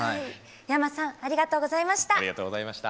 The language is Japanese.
ｙａｍａさんありがとうございました。